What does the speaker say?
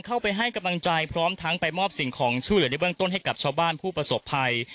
ให้กำลังใจพร้อมทั้งไปมอบสิ่งของช่วยเหลือในเบื้องต้นให้กับชาวบ้านผู้ประสบภัย